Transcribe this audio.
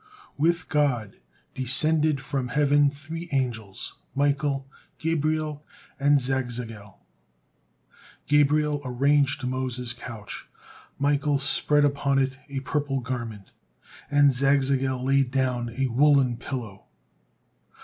'" With God descended from heaven three angels, Michael, Gabriel, and Zagzagel. Gabriel arranged Moses' couch, Michael spread upon it a purple garment, and Zagzagel laid down a woolen pillow.